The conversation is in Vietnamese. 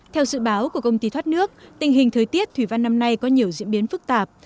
theo dự báo của công ty thoát nước tình hình thời tiết thủy văn năm nay có nhiều diễn biến phức tạp